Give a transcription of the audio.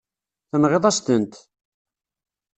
Tenɣiḍ-as-tent.